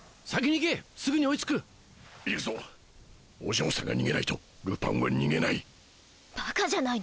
行くぞお嬢さんが逃げないとルパンは逃げない。